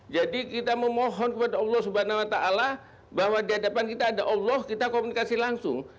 jadi kita memohon kepada allah swt bahwa di hadapan kita ada allah kita komunikasi langsung